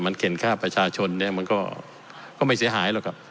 มันเข็นค่าประชาชนเนี่ยมันก็ไม่เสียหายหรอกครับ